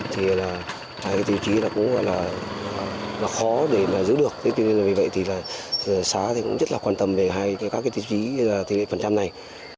hai tiêu chí cũng khó để giữ được vì vậy xã cũng rất quan tâm về hai tiêu chí tỷ lệ phần trăm này